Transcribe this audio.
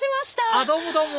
あっどうもどうも！